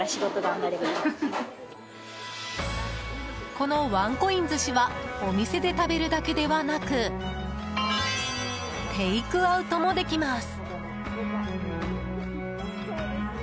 このワンコイン寿司はお店で食べるだけではなくテイクアウトもできます。